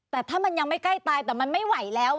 แต่ถ้ามันยังไม่ใกล้ตายแต่มันไม่ไหวแล้ว